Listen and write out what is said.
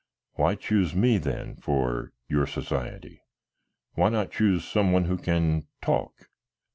Why choose me out then for your society? Why not choose some one who can talk?"